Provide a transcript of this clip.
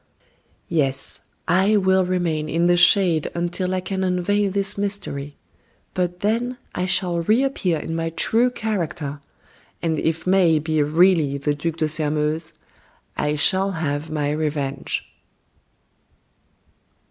Yes, I will remain in the shade until I can unveil this mystery; but then I shall reappear in my true character. And if May be really the Duc de Sairmeuse, I shall have my revenge."